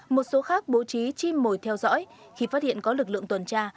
một số khác bố trí chim mồi theo dõi khi phát hiện có lực lượng tuần tra